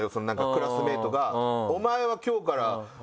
クラスメートが「お前は」。